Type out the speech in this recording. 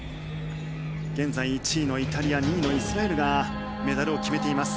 現在１位のイタリア２位のイスラエルがメダルを決めています。